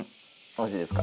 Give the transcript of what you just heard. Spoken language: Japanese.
おいしいですか？